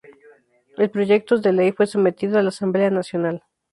El proyectos de Ley fue sometido a la Asamblea Nacional.